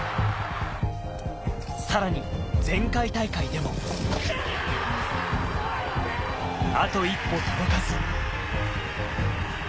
さらに前回大会でもあと一歩届かず。